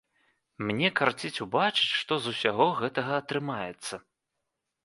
Мне карціць убачыць, што з усяго гэтага атрымаецца.